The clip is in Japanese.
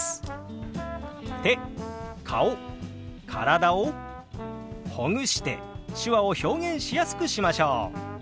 手顔体をほぐして手話を表現しやすくしましょう！